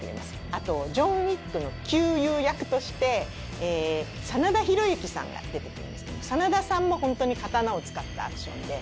あとジョン・ウィックの旧友役として真田広之さんが出てきますけど真田さんも刀を使ったアクションで。